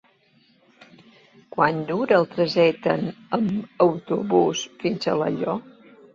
Quant dura el trajecte en autobús fins a Alaior?